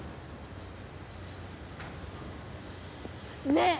ねえ